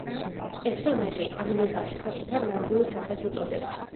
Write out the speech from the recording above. პერსონაჟი ამ ნიღაბს საკუთარ ნამდვილ სახეს უწოდებს.